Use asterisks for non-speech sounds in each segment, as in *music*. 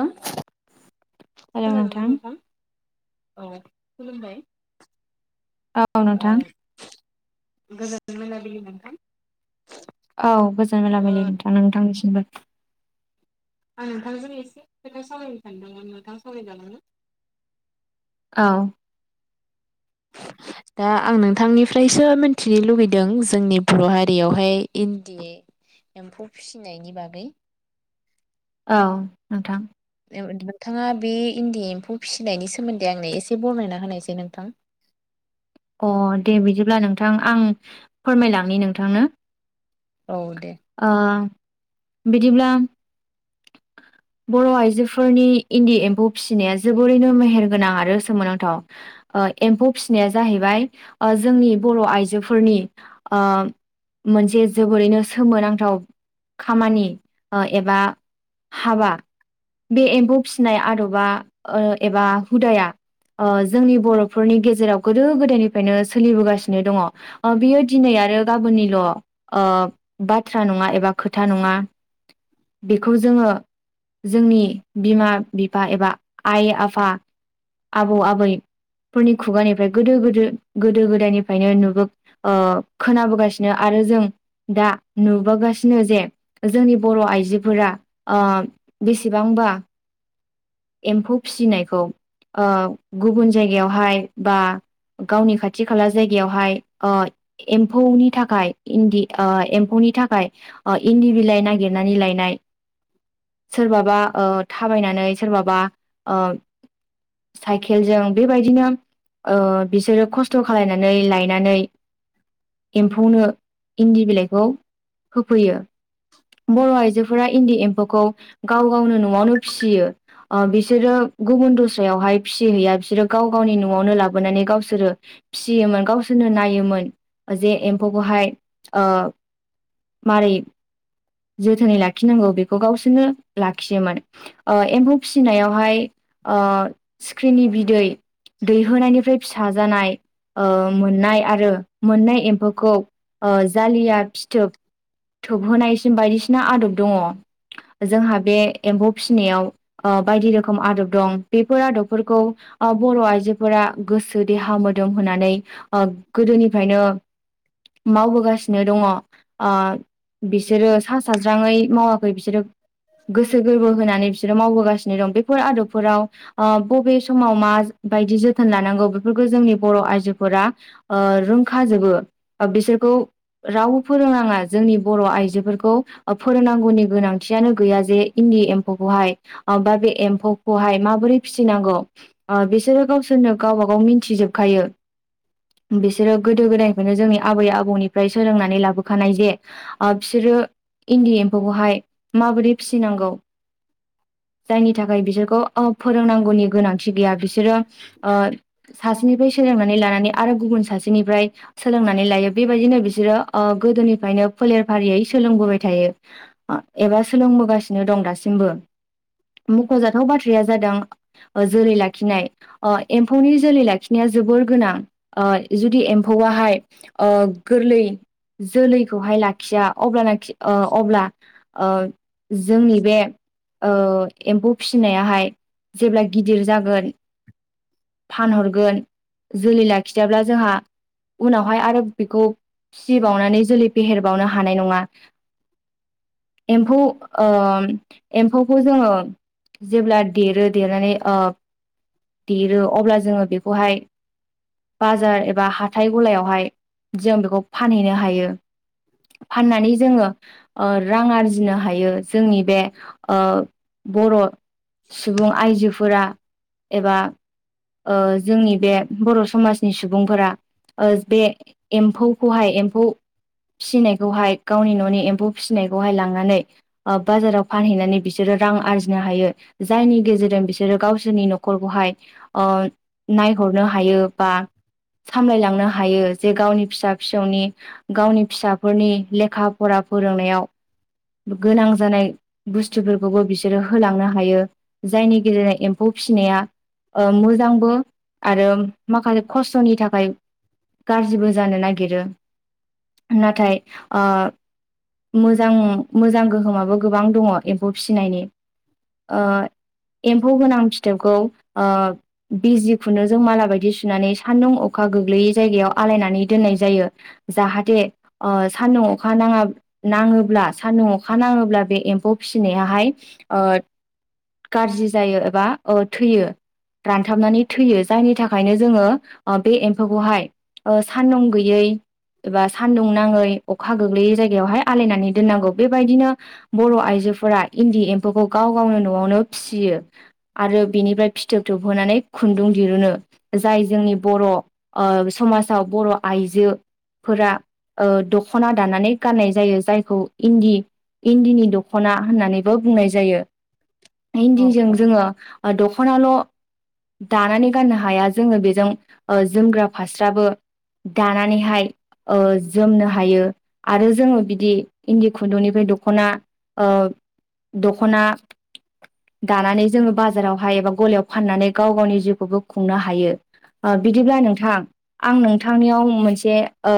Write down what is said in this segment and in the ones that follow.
खोनादोंना नोंथां औ खुलुमबाय औ ओ नोंथां गोजोन मोनाबिलि नोंथां औ गोजोन ओ मोनाबिलि नोंथां नोंथांनिसिमबो आं नोंथांजों एसे खोथा सावरायनो सानदोंमोन नोंथां सावरायजागोनना औ *unintelligible* *inaudible* दा आं नोंथांनिफ्रायसो मिथिनो लुुबैदों जोंनि बर' हारियावहाय इन्दि एम्फौ फिसिनायनि बागै औ नोंथां नोंथाङा बे इन्दि एम्फौ फिसिनायनि सोमोन्दै आंनो एसे बरनायना होनायसाय नोंथां अ दे बिदिब्ला नोंथां आं फोरमायलांनि नोंथांनो औ दे ओ बिदिब्ला *unintelligible* *inaudible* बर' आइजोफोरनि इन्दि एम्फौ फिसिनाया जोबोरैनो मेहेर गोनां आरो सोमोनांथाव ओ एम्फौ फिसिनाया जाहैबाय ओ जोंनि बर' आइजोफोरनि ओ मोनसे जोबोरैनो सोमोनांथाव खामानि ओ एबा हाबा बे एम्फौ फिसिनाय आदबा ओ एबा हुदाया ओ जोंनि बर'फोरनि गेजेराव गोदो गोदायनिफ्रायनो सोलिबोगासिनो दङ ओ बियो दिनै आरो गाबोननिल ओ बाथ्रा नङा एबा खोथा नङा बेखौ जोङो जोंनि बिमा बिफा एबा आइ आफा आबौ आबैफोरनि खुगानिफ्राय गोदो गोदो गोदो गोदायनिफ्रायनो नुबो ओ खोनाबोगासिनो आरो जों दा नुबोगासिनो जे जोंनि बर' आइजोफोरा ओ बेसेबां बा एम्फौ फिसिनायखौ ओ गुबुन जायगायावहाय बा गावनि खाथि खाला जायगायावहाय ओ एम्फौनि थाखाय इन्दि ओ एम्फौ नि थाखाय ओ इन्दि बिलाइ नागिरनानै लायनाय सोरबाबा ओ थाबायनानै सोरबाबा ओ साइकेलजों बेबायदिनो ओ बिसोरो खस्थ' खालायनानै लायनानै एम्फौनो इन्दि बिलाइखौ होफैयो बर' आइजोफोरा इन्दि एम्फौखौ गाव गावनो न'आवनो फिसियो ओ बिसोरो गुबुन दस्रायावहाय फिसिहैया बिसोरो गाव गावनि न'आवनो लाबोनानै गावसोरो फिसियोमोन गावसोरनो नायोमोन जे एम्फौखौहाय ओ मारै जोथोनै लाखिनांगौ बेखौ गावसोरनो लाखियोमोन ओ एम्फौ फिसिनायावहाय ओ सिख्रिनि बिदै दैहोनायनिफ्राय फिसा जानाय ओ मोननाय आरो मोननाय एम्फौखौ ओ जालिया फिथोब थोबहोनायस बायदिसिना आदब दङ जोंहा बे एम्फौ फिनायाव ओ बायदि रोखोम आदब दं। बेफोर आदबफोरखौ ओ बर' आइजोफोरा गोसो देहा मोदोम होननानै ओ गो दोनिफ्रायनो मावबोगासिनो दङ ओ बिस बिसोरो साहा साज्राङै मावाखै बिसोरो गोसो गोरबो होनानै फिस मावबोगासिनो दं बेफोर आदबफोराव ओ बबे समाव मा बायदि जोथोन लानांगौ बेफोरखौ जोंनि बर' आइजोफोरा ओ रोंखाजोबो बिसोरखौ रावबो फोरोंनाङा जोंनि बर' आइजो फोरखौ फोरोंनांगौनि गोनांथियानो गैया जे इन्दि एम्फौखौहाय ओ बा बे एम्फौ खौहाय माबोरै फिसिनांगौ ओ बिसोरो गावसोरनो गावबा गाव मिथिजोबखायो। बिसोरो गोदो गोदायनिफ्रायनो जोंनि आबै आबौनिफ्राय सोलोंनानै लाबोखानाय जे ओ फिसोरो इन्दि एम्फौखौहाय माबोरै फिसिनांगौ *inaudible* जायनि थाखाय बिसोरखौ औ फोरोंनांगौनि गोनांथि गैया बिसोरो ओ सासेनिफायसो सोलोंनानै लानानै आरो गुबुन सासेनिफ्राय सोलोंनानै लायो बेबायदिनो बिसोरो ओ गोदोनिफ्रायनो फोलेर फारियै सोलोंबोबाय थायो एबा सोलोंबोगासिनो दं दासिमबो। मख'जाथाव बाथ्राया जादों जोलै लाखिनाय ओ एम्फौनि जोलै लाखिनाया जोबोर गोनां ओ जुदि एम्फौआहाय ओ गो लै जोलैखौहाय लाखिया अब्लानाखि ओ अब्ला ओ जोंनि बे ओ एम्फौ फिनायाहाय जेब्ला गिदिर जागोन फानहरगोन जोलै लाखियाब्ला जोंहा उनावहाय आरो बेखौ फिसिबावनानै जोलै फेहेरबावनो हानाय नङा। एम्फौ ओम एम्फौखौ जोङो जेब्ला देरो देरनानै ओ देरो अब्ला जोङो बेखौहाय बाजार एबा हाथाय गलायावहाय जों बेखौ फानहैनो हायो फाननानै जोङो ओ रां आरजिनो हायो जोंनि बे ओ बर' सुबुं आइजोफोरा एबा ओ जोंनि बे बर' समाजनि सुबुंफोरा ओ बे एम्फौखौहाय एम्फौ फिसिनायखौहाय गावनि न'नि एम्फौ फिसिनायखौहाय लांनानै ओ बाजाराव फानहैनानै बिसोरो रां आरजिनो हायो जायनि गेजेरजों बिसोरो गावसोरनि न'खरखौहाय। ओ नायहरनो हायो बा सामलायलांनो हायो जे गावनि फिसा फिसौनि गावनि फिसाफोरनि लेखा फरा फोरोंनायाव गोनां जानाय बुस्थुफोरखौबो बिसोरो होलांनो हायो जायनि गेजेरजों एम्फौ फिसिनाया ओ मोजांबो आरो माखासे खस्थ'नि थाखाय गाज्रिबो जानो नागिरो नाथाय ओ मोजां मोजां गोहोमाबो गोबां दङ एम्फौ फिसिनायनि ओ एम्फौ गोनां फिथोबखौ ओ बिजि खुन्दुं जों माला बायदि सुनानै सान्दुं अखा गोग्लैयै जायगायाव आलायनानै दोननाय। जायो जाहाथे ओ सान्दुं अखा नाङा नाङोब्ला सान्दुं अखा नाङोब्ला ब्ला बे एम्फौ फिसिनायाहाय ओ गाज्रि जायो एबा ओ थैयो। रानथाबनानै थैयो जायनि थाखायनो जोङो ओ बे एम्फौखौहाय। ओ सान्दुं गैयै। एबा सानदुं नाङै अखा गोग्लैयै जायगायावहाय आलायनानै दोननांगौ बेबायदिनो बर' आइ जोफोरा इन्दि एम्फौखौ गाव गावनो न'आवनो फियो आरो बिनिफ्राय फि थोब थोबहोनानै खुन्दुं दिरुनो जाय जोंनि बर' ओ समाजाव बर' आइजो जो फोरा ओ दखना दानानै गाननाय जायो जायखौ इन्दि इन्दिनि दख'ना होननानैबो बुंनाय जायो। औ इन्दिजों औ जोङो ओ दख'नाल' दानानै गाननो हाया जोङो बेजों ओ जोमग्रा फास्राबो दानानैहाय ओ जोमनो हायो आरो जोङो बिदि इन्दि खुन्दुंनिफ्राय दख'ना ओ दख'ना दानानै जोङो बाजारावहाय एबा गलायाव फाननानै गाव गावनि जिउखौबो खुंनो हायो। ओ बिदिब्ला नोंथां आं नोंथांनियाव मोनसे ओ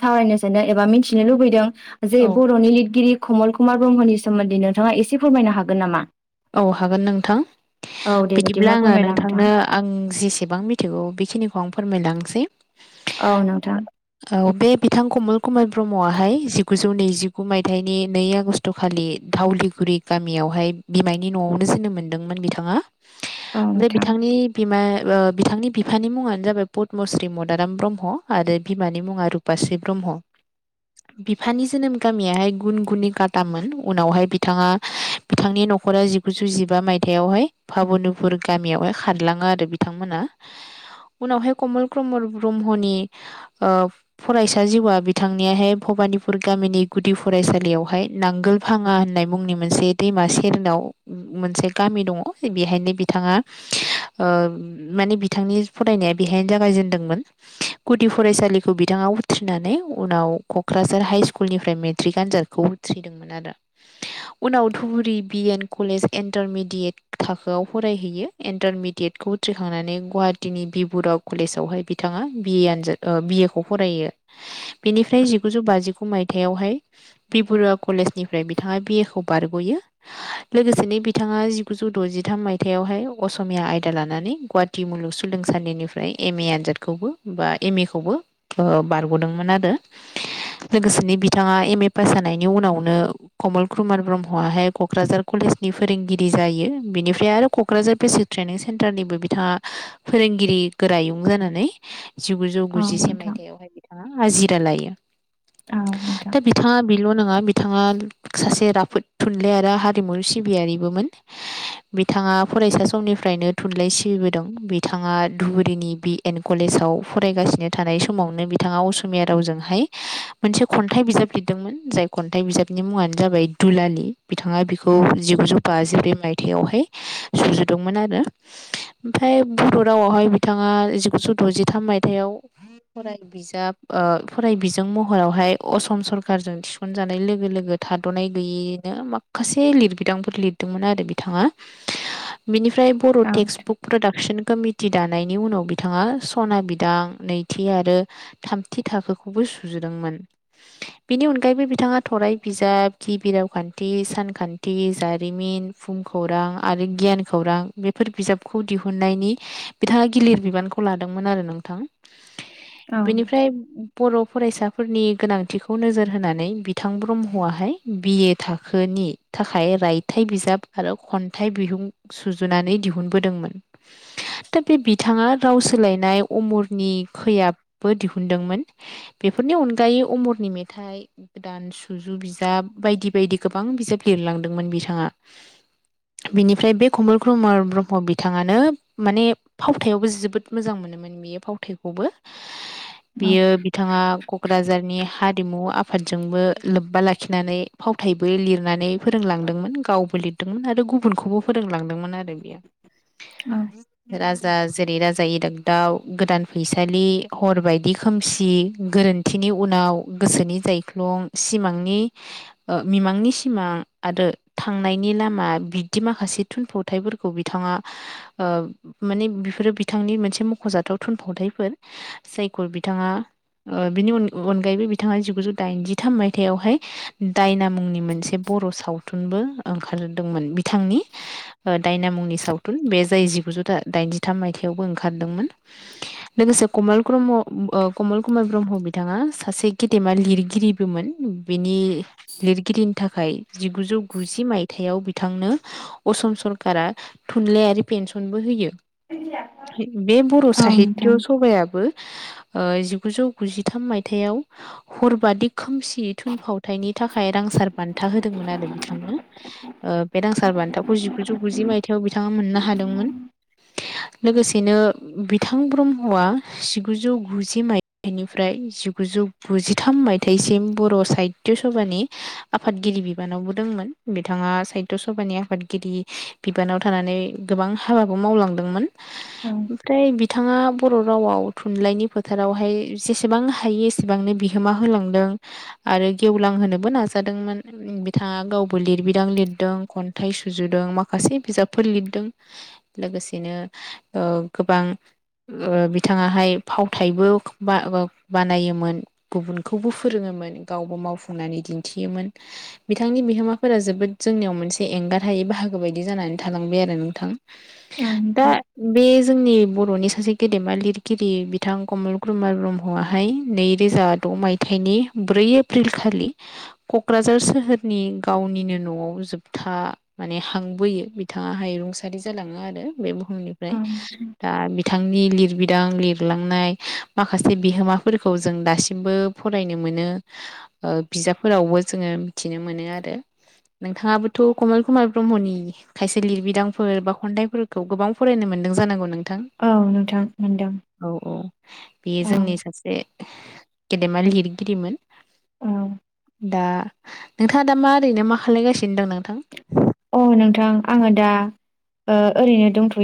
सावरायनो सो एबा मिथिनो लुबैदों। जे औ बर'नि लिरगिरि कमल कुमार ब्रह्मनि सोमोन्दै नोंथाङा एसे फोरमायनो हागोन नामा? औ हागोन नोंथां। औ दे बिदिब्ला आङो फोरमायलां नोंथां। नोंथांनो आं जेसेबां मिथिगौ बेखिनिखौ आं फोरमायलांसै। औ नोंथां औ बे बिथां कमल कुमार ब्रह्मआहाय जि गुजौ नैजिगु मायथाइनि नै आगष्ट खालि फावलिगुरि गामियावहाय बिमायनि न'आवनो जोनोम मोन्दोंमोन बिथाङा औ ओमफ्राय नोंथां बिथांनि बिमा ओ बिथांनि बिफानि मुङानो जाबाय पदमश्री मदाराम ब्रह्म आरो बिमानि मुङा रुपश्रि ब्रह म। बिफानि जोनोम गामियाहाय गुन गुननि गादामोन उनावहाय बिथाङा बिथांनि न' नख'रा जिगुजौ जिबा मायथायाइावहाय पाबुनुपुर गामियावहाय खारलाङो आरो बिथांमोना। उनावहाय कमल क्रमर ब्रह्मनि फरायसा जिउआ बिथांनियाहाय भ फानिपुर गामिनि गुदि फरायसालियावहाय नांगोल फाङा होननाय मुंनि मोनसे दैमासि हेरनाव मोनसे गामि दङ बेहायनो बिथाङा ओ माने बिथां बिथांनि फरायनाया बेहायनो जागायजेनदोंमोन गुदि फरायसालिखौ बिथाङा उथ्रिनानै उनाव क'क्राझार हाइ स्कुलनिफ्राय मेट्रिक आनजादखौ उथ्रिदोंमोन आरो उनाव धुबुरि बिएन कलेज इन्टारमिडियेट थाखोआव फरायहैयो इन्टारमिडियेटखौ उथ्रिखांनानै गवा वाटिनि बिबुरा कलेजावहाय बिथाङा बि ए आजाद ओ बिए खौ फरायो बिनिफ्राय जिगुजौ बाजिगु मायथाइयावहाय बिबुरुवा कलेजनिफ्राय बिथाङा बिए खौ बारग'यो। *unintelligible* लोगोसेनो बिथाङा जिगुजौ द'जिथाम मायथाइयावहाय असमिया आयदा लानानै गुवाहाटि मुलुग सोलों सानदिनिफ्राय एम ए आनजादखौबो बा एम ए खौबो ओ बारग'दोंमोन आरो। लोगोसेनो बिथाङा एम ए पास जानायनि उनावनो कमल क्रुमार ब्रह्मआहाय क'क्राझार कलेजनि फोरोंगिरि जायो बिनिफ्राय आरो क'क्राझार बेसिक ट्रेनिं सेन्टारनिबो बिथाङा फोरोंगिरि गोरायुं जानानै जिगुजौ औ गुजिसे नोंथां मायथाइयावहाय बिथाङा आजिरा लायो औ नोंथां दा बिथाङा बेल' नङा बिथाङा सासे राफोद थुन थुनलाइ आरो हारिमु सिबियारिबोमोन बिथाङा फरायसा समनिफ्रायनो थुनलाइ सिबिबोदों। दों बिथाङा धुबुरीनि बि एन कलेजाव फरायगासिनो थानाय समावनो बिथाङा असमिया राव जोंहाय मोनसे खन्थाइ बिजाब लिरदोंमोन जाय खन्थाइ बिजाबनि मुङानो जाबाय दुलालि। बिथाङा बिखौ जिगुजौ बाजिब्रै मायथाइयावहाय सुजुदोंमोन आरो ओमफ्राय फाय बर' रावावहाय बिथाङा जिगुजौ द'जिथाम मायथाइयाव फराय बिजाब ओ फराय बिजों महरावहाय असम सरखारजों थिसनजानाय लोगो लोगो थाद'नाय गैयैनो मा खासे लिरबिदांफोर लिरदोंमोन आरो बिथाङा बेनि ओमाय बर' औ टेक्स्स बुक प्रडाक्स कमिटि दानायनि उनाव बिथाङा सना बिदां नैथि आरो थामथि थाखोखौबो सुजुदोंमोन बेनि अनगायैबो बिथाङा थराय बिजाब गिबि रावखान्थि बि सानखान्थि जारिमिन फुं खौरां आरो गियान खौरां बेफोर बिजाबखौ दिहुन दिहुननायनि बिथाङा गिलिर बिबानखौ लादोंमोन आरो नोंथां। औ बेनिफ्राय बर' फरायसाफोरनि गोनांथिखौ नोजोर होनानै बिथां ब्रह्मआाहाय बि एड थाखोनि थाखाय रायथाइ बिजाब आरो खन्थाइ बिहुं सुजुनानै दिहुनबोदों मोन दा बे बिथाङा राव सोलायनाय अमरनि खैयाबबो दिहुनदों मोन बेफोरनि अनगायै अमरनि मेथाइ गोदान सुजु बिजाब बायदि बायदि गोबां बिजाब लिरलांदोंमोन बिथाङा। बिनिफ्राय बे कमल क्रमार ब्रह्म बिथाङानो माने फावथायावबो जोबोद मोजांमोन। नोमोन बेयो फावथायखौबो औ बेयो बिथाङा क'क्राझारनि हाद रिमु आफादजोंबो लोब्बा लाखिनानै फावथायबो लिरनानै फोरोंलांदोंमोन गावबो लिरदोंमोन आरो गुबुनखौबो फोरोंलांदोंमोन आरो बेयो। औ *inaudible* राजा जेरै राजा इरागदाव गोदान फैसालि हरबायदि खोमसि गोरोन्थिनि उनाव गोसोनि जायख्लं सिमांनि ओ मिमांनि सिमां आरो थांनायनि लामा बिदि माखासे थुनफावथायफोरखौ बिथाङा आ‌ ओ माने बिफोरो बिथांनि मोनसे मख'जाथाव थुनफावथायफोर जायखौ बिथाङा ओ बिनि अनगायैबो बिथाङा जिगुजौ दाइनजिथाम मायथायावहाय दायना मुंनि मोनसे बर' सावथुनबो ओंखारदोंमोन बिथांनि ओ दायना मुंनि सावथुन बे जाय जिगुजौ दाइनजिथाम मायथाइयावबो ओंखारदोंमोन। लोगोसे कमल क्रह्म ओ कमल कुमार ब्रह्म बिथाङा सासे गेदेमा लिरगिरिबोमोन। बिनि लिरगिरिनि थाख खाय जिगुजौ गुजि मायथाइयाव बिथांनो असम सरकारा थुनलाइयारि पेन्स सनबो होयो बे बर' औ नोंथां साहित्य सभायाबो ओ जिगुजौ गुजिथाम मायथाइाव हरबादि खोमसि थुनफावथायनि थाखाय रांसार बान्था होदोंमोन आरो बिथांनो ओ बे रांसार बान्थाखौ जिगुजौ गुजि मायथाइयाव बिथाङा मोननो हादोंमोन। लोगोसेनो बिथां ब्रह्मआ जिगुजौ गुजि मायथाइनिफ्राय जिगुजौ गुजिथाम मायथाइसिम बर' साहित्य स सभानि आफादगिरि बिबानावबो दंमोन बिथाङा साहित्य सभानि आफादगिरि बिबान नाव थानानै गोबां हाबाबो मावलांदोंमोन औ ओमफ्राय बि थाङा बर' रावाव थुनलाइनि फोथारावहाय जेसेबां हायो एसेबांनो बिहोमा होलांदों। आरो गेवलांहोनोबो नाजादोंमोन बिथाङा गावबो लिरबिदां लिरदों खन्थाइ सुजुदों माखास से बिजाबफोर लिरदों लोगोसेनो ओ गोबां ओ बिथाङाहाय फावथायबो बा ओ बानायोमोन गुबुनखौबो फोरोङो मोन गावबो माव फुंनानै दिन्थियोमोन बिथांनि बिहोमाफोरा जोबोद जोंनियाव मोनसे एंगारहायै बाहागो बायदि जाना नानै थालांबाय आरो नोंथां औ दा नोंथां बे जोंनि ब र'नि सासे गेदेमा लिरगिरि बिथां कमल क्रुमार ब्रह्म आहाय नैरोजा द' मायथाइनि नि ब्रै एप्रिल खालि क'क्राझार सोहोरनि गावनिनो न'आव जोबथा माने हांबोयो बिथाङाहाय रुंसारि जालाङो आरो बे बुहुमनिफ्राय औ दा बि थांनि लिरबिदां लिरलांनाय माखासे बिहोमाफोरखौ जों दासिमबो फरायनो मो मोनो ओ बिजाबफोरावबो जोङो मिथिनो मोनो आरो। नोंथाङाबोथ' कमल कुमार ब्रह्मनि खायसे लिरबिदांफोर बा खन्थाइफोरखौ गोबां फरायनो मोन न्दों जानांगौ नोंथां औ नोंथां मोनदों औ औ बियो औ जोंनि सासे गेदेमा लिरगिरिमोन। औ दा नोंथाङा दा मा ओरैनो मा खालायगासिनो दं नोंथां? अ नोंथां आङो दा ओ ओरैनो दंथ'यो।